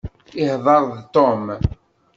Ihḍeṛ-d Tom.